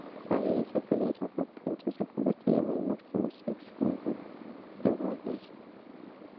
La belleza pelirroja pronto se convertiría en el máximo sex symbol de la Warner.